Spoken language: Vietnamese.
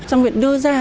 trong việc đưa ra